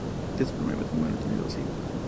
De su primer matrimonio tiene dos hijos.